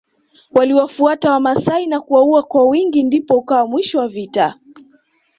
Waliwafuata wamasai na kuwaua kwa wingi ndipo ukawa mwisho wa vita